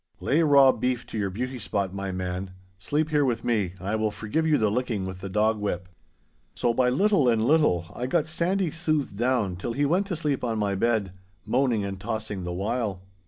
'Lay raw beef to your beauty spot, my man, sleep here with me, and I will forgive you the licking with the dog whip.' So by little and little I got Sandy soothed down till he went to sleep on my bed, moaning and tossing the while.